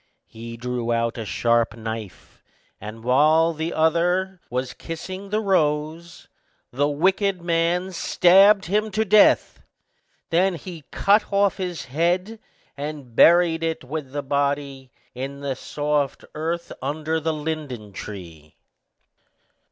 He drew out a sharp knife, and while the other was kissing the rose, the wicked man stabbed him to death; then he cut off his head, and buried it with the body in the soft earth under the linden tree.